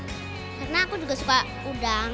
karena aku juga suka udang